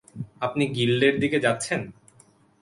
আপনি গিল্ডের দিকে যাচ্ছেন?